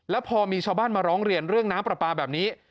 แล้วพอมีชาวบ้านมาร้องเรียนเรื่องน้ำปลาปลาแบบนี้